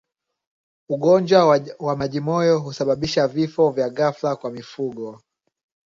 Ugonjwa wa majimoyo husababisha vifo vya ghafla kwa mifugo